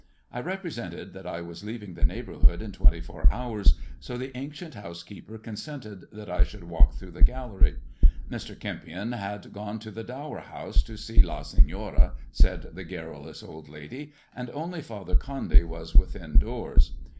I represented that I was leaving the neighbourhood in twenty four hours, so the ancient house keeper consented that I should walk through the gallery. Mr. Kempion had gone to the Dower House, to see La Senora, said the garrulous old lady, and only Father Condy was within doors.